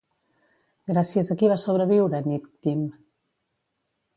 Gràcies a qui va sobreviure Nítctim?